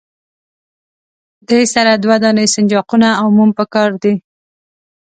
دې سره دوه دانې سنجاقونه او موم پکار دي.